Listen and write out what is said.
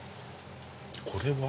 これは？